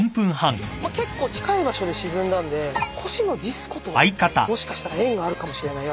結構近い場所で沈んだんでほしのディスコともしかしたら縁があるかもしれないよ